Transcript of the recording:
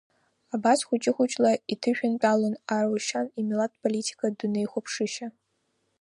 Абас хәыҷы-хәыҷла иҭышәынтәалон Арушьан имилаҭполитикатә дунеихәаԥшышьа.